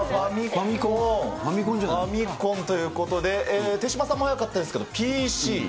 ファミコンということで、手嶋さんも早かったですけど、ＰＣ。